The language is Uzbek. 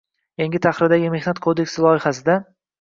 Yangi tahrirdagi Mehnat kodeksi loyihasida: